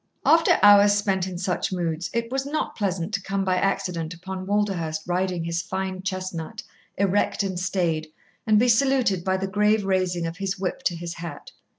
After hours spent in such moods, it was not pleasant to come by accident upon Walderhurst riding his fine chestnut, erect and staid, and be saluted by the grave raising of his whip to his hat.